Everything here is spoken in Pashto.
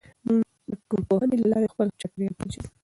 موږ د ټولنپوهنې له لارې خپل چاپېریال پېژنو.